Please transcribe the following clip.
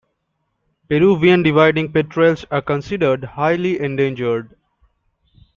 Peruvian diving petrels are considered highly endangered.